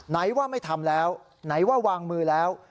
ไหนว่าไม่ทำแล้วไหนว่าวางมือแล้ว